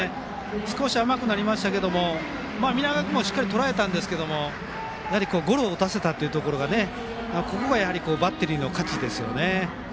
少し甘くなりましたけど南川君もしっかりとらえましたがやはりゴロを打たせたところでここがバッテリーの勝ちですよね。